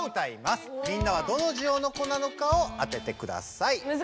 みんなはどのジオノコなのかを当ててください。